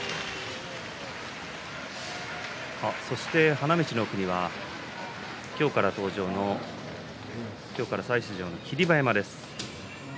花道の奥には今日から登場今日から再出場の霧馬山です。